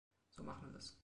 So machen wir es.